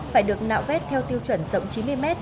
phải được nạo vét theo tiêu chuẩn rộng chín mươi m